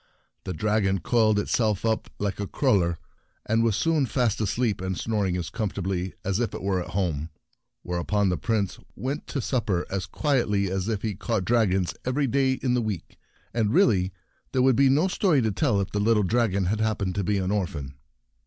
The dragon coiled itself up like a cruller, and was soon fast asleep and snoring as comfort ably as if it were at home. Whereupon the Prince went to supper as quietly as if he caught dragons every day in the week, and really there would be no Supper time and the Dragons 33 story to tell if the little dragon had happened to be an orphan.